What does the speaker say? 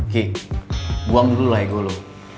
ki buang dulu lah ego lo